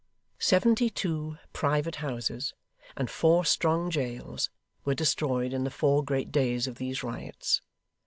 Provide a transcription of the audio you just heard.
Seventy two private houses and four strong jails were destroyed in the four great days of these riots.